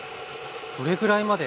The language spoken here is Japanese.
どれぐらいまで？